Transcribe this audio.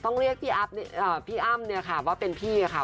เรียกพี่อ้ำเนี่ยค่ะว่าเป็นพี่ค่ะ